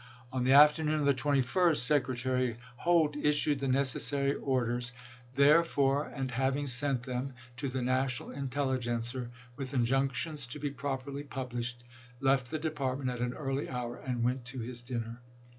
On the afternoon of the 21st Secretary Holt issued the necessary orders therefor, 150 ABRAHAM LINCOLN chap. x. and having sent them to the " National Intelli gencer" with injunctions to be properly published, left the department at an early hour and went to his dinner.